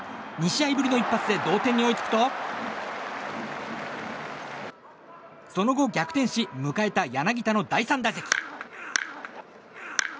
２試合ぶりの一発で同点に追いつくとその後、逆転し迎えた柳田の第３打席。